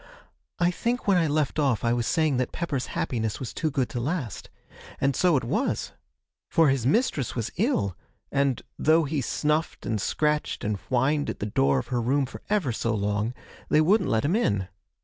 'I think when I left off I was saying that Pepper's happiness was too good to last. And so it was. For his mistress was ill, and, though he snuffed and scratched and whined at the door of her room for ever so long, they wouldn't let him in.